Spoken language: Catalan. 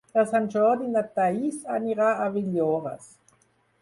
Per Sant Jordi na Thaís anirà a Villores.